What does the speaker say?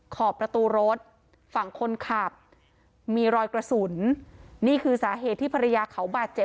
ขอบประตูรถฝั่งคนขับมีรอยกระสุนนี่คือสาเหตุที่ภรรยาเขาบาดเจ็บ